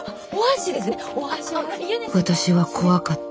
私は怖かった。